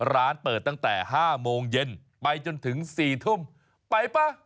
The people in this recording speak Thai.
ร้านเปิดตั้งแต่๕โมงเย็นไปจนถึง๔ทุ่มไปป่ะ